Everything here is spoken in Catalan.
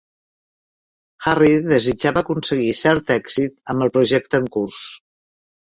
Harry desitjava aconseguir cert èxit amb el projecte en curs.